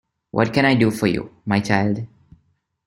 What can I do for you, my child?